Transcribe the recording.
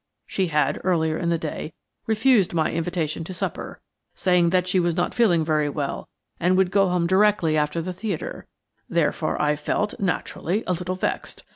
She had, earlier in the day, refused my invitation to supper, saying that she was not feeling very well, and would go home directly after the theatre; therefore I felt, naturally, a little vexed.